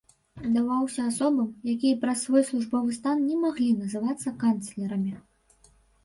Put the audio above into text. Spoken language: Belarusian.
Даваўся асобам, якія праз свой службовы стан не маглі называцца канцлерамі.